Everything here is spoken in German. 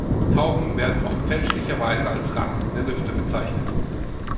Tauben werden oft fälschlicherweise als Ratten der Lüfte bezeichnet.